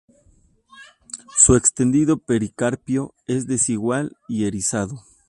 Su extendido pericarpio es desigual y erizado.